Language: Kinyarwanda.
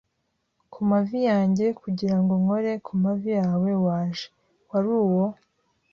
kumavi yanjye kugirango nkore - kumavi yawe waje, wari uwo